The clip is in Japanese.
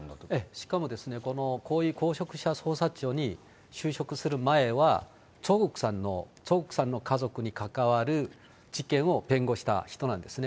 しかもですね、高位公職者捜査庁に就職する前は、チョ・グクさんの家族に関わる事件を弁護した人なんですね。